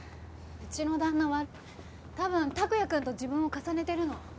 うちの旦那は多分託也くんと自分を重ねてるの。